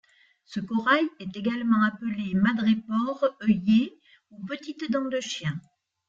Ce corail est également appelé Madrépore œillet ou Petite dent de chien.